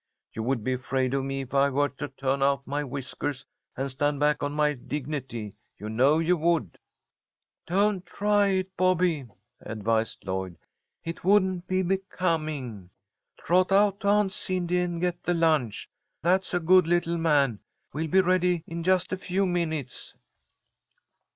You would be afraid of me if I were to turn out my whiskers and stand back on my dignity. You know you would." "Don't try it, Bobby," advised Lloyd. "It wouldn't be becoming. Trot out to Aunt Cindy and get the lunch. That's a good little man. We'll be ready in just a few minutes."